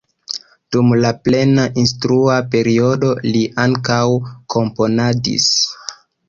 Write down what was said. Dum la plena instrua periodo li ankaŭ komponadis.